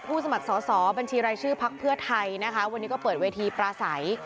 สมัครสอสอบัญชีรายชื่อพักเพื่อไทยนะคะวันนี้ก็เปิดเวทีปลาใส